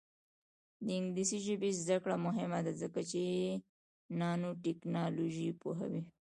د انګلیسي ژبې زده کړه مهمه ده ځکه چې نانوټیکنالوژي پوهوي.